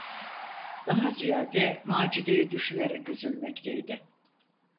Daha ziyade Macide’yi düşünerek üzülmekteydi.